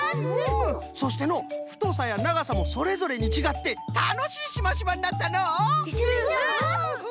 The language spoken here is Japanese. そしてのうふとさやながさもそれぞれにちがってたのしいシマシマになったのう！